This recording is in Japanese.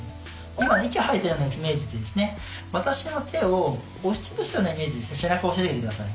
今息吐いたようなイメージで私の手を押しつぶすようなイメージで背中を押してください。